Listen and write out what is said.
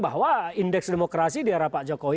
bahwa indeks demokrasi di era pak jokowi